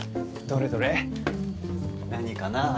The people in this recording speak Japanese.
どれどれ何かな？